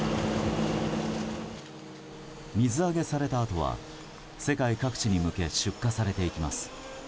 水揚げされたあとは世界各地へ向け出荷されていきます。